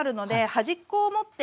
端っこ持って。